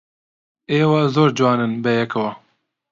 ئێوە زۆر جوانن بەیەکەوە.